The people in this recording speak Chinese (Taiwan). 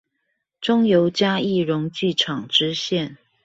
中油嘉義溶劑廠支線